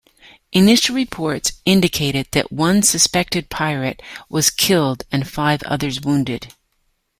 Initial reports indicated that one suspected pirate was killed and five others wounded.